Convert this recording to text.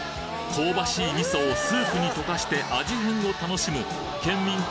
香ばしい味噌をスープに溶かして味変を楽しむ県民